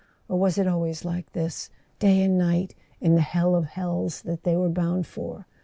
Or was it always like this, day and night, in the hell of hells that they were bound for?